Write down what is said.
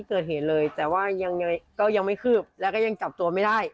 กอดแม่กอดน้องไว้